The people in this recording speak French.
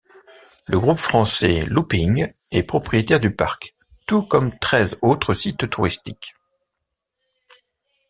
Le groupe français Looping est propriétaire du parc, tout comme treize autres sites touristiques.